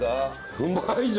うまいぞ！